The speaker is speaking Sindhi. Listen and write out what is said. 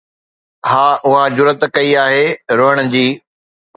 ها، اها جرئت ڪٿي آهي روئڻ جي؟